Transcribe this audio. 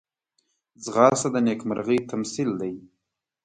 ځغاسته د نېکمرغۍ تمثیل دی